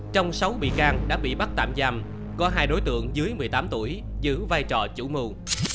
trong sáu bị can đã bị bắt tạm giam có hai đối tượng dưới một mươi tám tuổi giữ vai trò chủ mưu